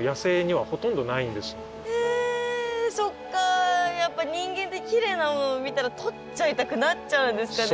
今はそっかやっぱ人間ってきれいなものを見たらとっちゃいたくなっちゃうんですかね。